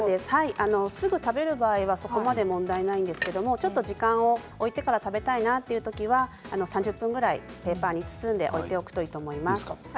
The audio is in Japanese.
すぐ食べる場合は関係ないんですけれども時間を置いてから食べたい場合は３０分ぐらいペーパーに包んで置いておくといいと思います。